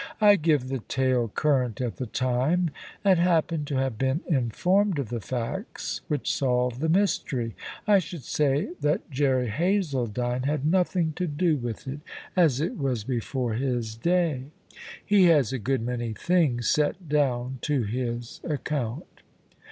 "I give the tale current at the time, and happened to have been informed of the facts which solved the mystery. I should say that Jerry Hazledine had nothing to do with it, as it was before his day. He has a good many things set down to his account."